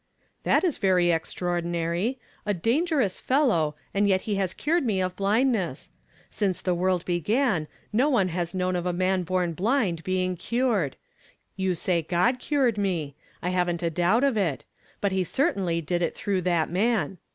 " That is very extraordinary. A ' dangerous fellow,' and yet he has cured me of blindness. Since the world began, no one has known of a man born blind being cured. You say God cured me. I haven't a doubt of it ; but he cer tainly did it through that man.